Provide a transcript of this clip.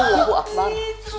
ini bu akbar